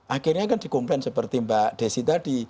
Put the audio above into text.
akhirnya kan di komplain seperti mbak desi tadi